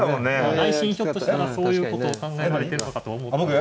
内心ひょっとしたらそういうことを考えられてるのかと思ったんですけれど。